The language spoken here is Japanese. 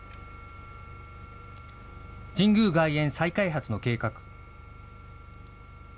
神宮外苑再開発の計画。